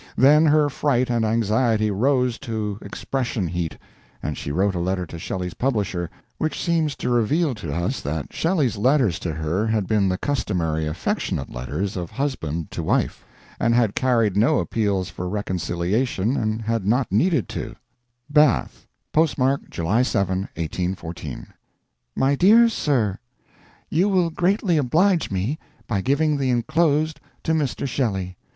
Then her fright and anxiety rose to expression heat, and she wrote a letter to Shelley's publisher which seems to reveal to us that Shelley's letters to her had been the customary affectionate letters of husband to wife, and had carried no appeals for reconciliation and had not needed to: "BATH (postmark July 7, 1814). "MY DEAR SIR, You will greatly oblige me by giving the enclosed to Mr. Shelley.